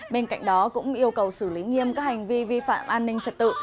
bên cạnh đó cũng yêu cầu xử lý nghiêm các hành vi vi phạm an ninh trật tự